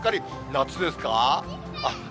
夏ですか？